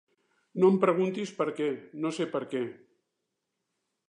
No em preguntis per què; no sé per què.